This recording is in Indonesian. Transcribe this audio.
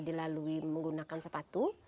dilalui menggunakan sepatu